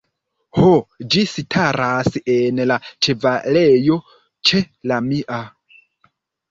Ho; ĝi staras en la ĉevalejo ĉe la mia.